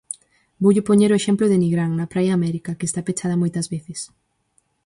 Voulle poñer o exemplo de Nigrán, da praia América, que está pechada moitas veces.